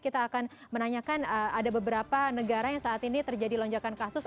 kita akan menanyakan ada beberapa negara yang saat ini terjadi lonjakan kasus